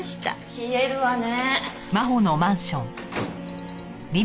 冷えるわね。